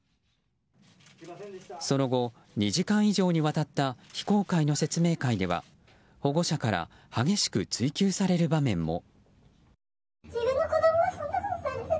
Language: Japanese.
その後、２時間以上にわたった非公開の説明会では保護者から激しく追及される場面も。